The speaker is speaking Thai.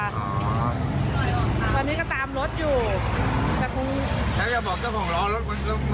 ตอนนี้ก็ตามรถอยู่